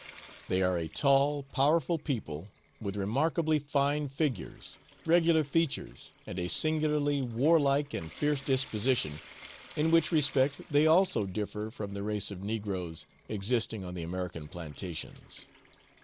They are a tall, powerful people, with remarkably fine figures, regular features, and a singularly warlike and fierce disposition, in which respect they also differ from the race of negroes existing on the American plantations.